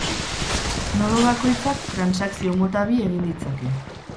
Nodo bakoitzak transakzio mota bi egin ditzake.